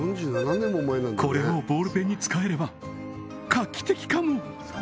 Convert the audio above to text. これをボールペンに使えれば画期的かも！